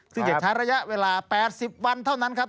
ซึ่งจะใช้ระยะเวลา๘๐วันเท่านั้นครับ